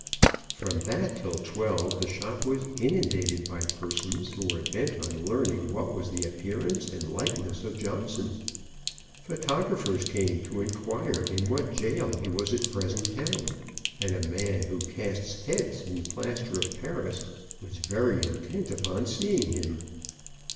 From that till twelve the shop was inundated by persons who were bent on learning what was the appearance and likeness of Johnson. Photographers came to inquire in what gaol he was at present held, and a man who casts heads in plaster of Paris was very intent upon seeing him.